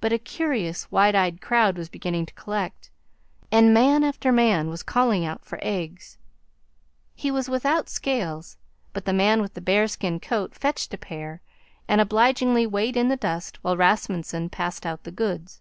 But a curious, wide eyed crowd was beginning to collect, and man after man was calling out for eggs. He was without scales, but the man with the bearskin coat fetched a pair and obligingly weighed in the dust while Rasmunsen passed out the goods.